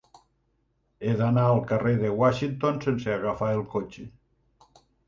He d'anar al carrer de Washington sense agafar el cotxe.